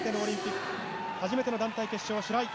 初めての団体決勝、白井。